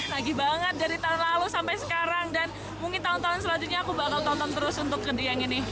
lagi banget dari tahun lalu sampai sekarang dan mungkin tahun tahun selanjutnya aku bakal tonton terus untuk ke dieng ini